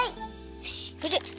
よしふる！